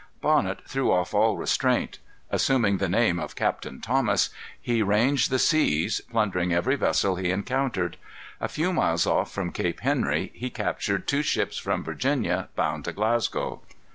Bonnet threw off all restraint. Assuming the name of Captain Thomas, he ranged the seas, plundering every vessel he encountered. A few miles off from Cape Henry he captured two ships from Virginia, bound to Glasgow.